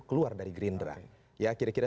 keluar dari gerindra ya kira kira